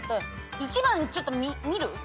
１番ちょっと見る。